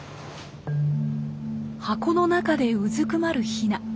箱の中でうずくまるヒナ。